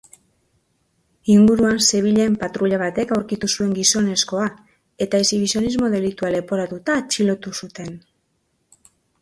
Inguruan zebilen patruila batek aurkitu zuen gizonezkoa eta exhibizionismo delitua leporatuta atxilotu zuten.